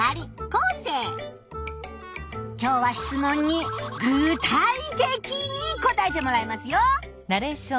今日は質問に具体的に答えてもらいますよ！